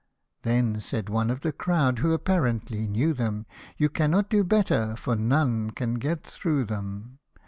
Then said one of the crowd, who apparently knew them, <f You cannot do better, for none can get through them